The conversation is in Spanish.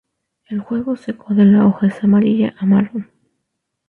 El jugo seco de la hoja es amarilla a marrón.